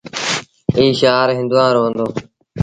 ايٚ شآهر هُݩدوآن رو هُݩدو۔